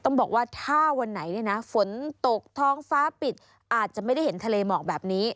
ต้องบอกว่าถ้าวันไหนเนี่ยนะฝนตกท้องฟ้าปิดอาจจะไม่ได้เห็นทะเลหมอกแบบนี้